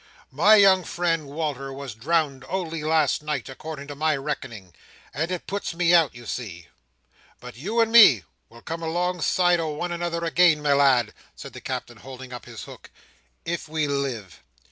My young friend, Wal"r, was drownded only last night, according to my reckoning, and it puts me out, you see. But you and me will come alongside o'one another again, my lad," said the Captain, holding up his hook, "if we live."